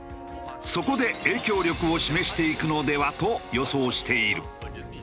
そこで影響力を示していくのでは？と予想している。